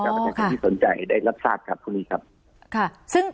ค่ะที่ต้องมีสนใจได้รักษาครับพรุ่งนี้ครับค่ะซึ่ง